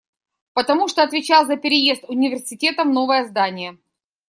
Потому что отвечал за переезд университета в новое здание.